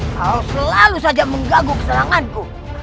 kau selalu saja menggaguk seranganku